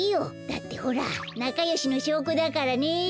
だってほらなかよしのしょうこだからね。